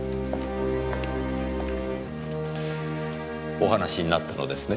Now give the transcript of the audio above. お話しになったのですね？